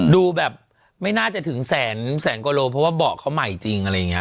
ดูแบบไม่น่าจะถึงแสนกว่าโลเพราะว่าเบาะเขาใหม่จริงอะไรอย่างนี้